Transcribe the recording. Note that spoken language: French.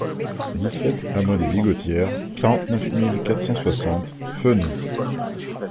dix-sept hameau des Bigottières, quarante-neuf mille quatre cent soixante Feneu